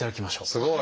すごい！